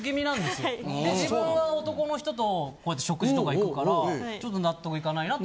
自分は男の人とこうやって食事とか行くからちょっと納得いかないなと。